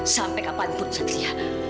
sampai kapanpun satria